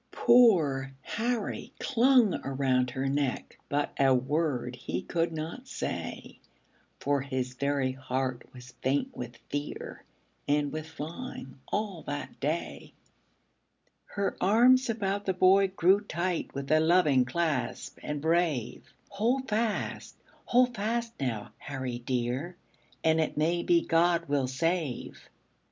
Poor Harry clung around her neck, But a word he could not say, For his very heart was faint with fear, And with flying all that day. Her arms about the boy grew tight, With a loving clasp, and brave; "Hold fast! Hold fast, now, Harry dear, And it may be God will save."